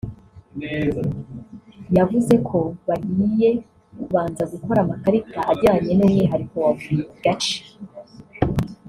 yavuze ko bagiye kubanza gukora amakarita ajyanye n’umwihariko wa buri gace